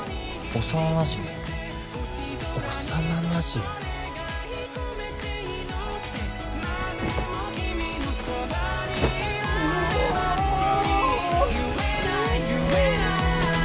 幼なじみ幼なじみ？ぬおお！